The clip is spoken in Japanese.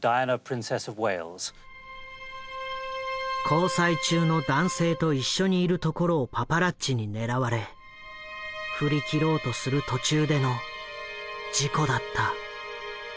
交際中の男性と一緒にいるところをパパラッチに狙われ振り切ろうとする途中での事故だった。